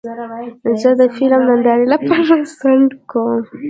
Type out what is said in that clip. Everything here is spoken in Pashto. زه د فلم نندارې لپاره ځنډ کوم.